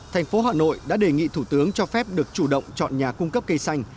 thành phố hà nội đã đề nghị thủ tướng cho phép được chủ động chọn nhà cung cấp cây xanh